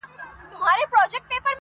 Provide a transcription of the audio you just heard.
• نه مېلې سته نه سازونه نه جشنونه -